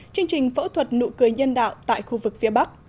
chương trình phẫu thuật nụ cười nhân đạo tại khu vực phía bắc